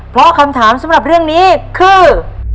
เพราะคำถามสำหรับเรื่องนี้คือ